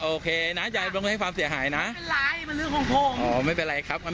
โอเคนะไว้เสียหายเป็นเรื่องของผม